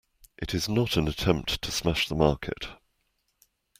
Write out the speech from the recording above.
It is not an attempt to smash the market.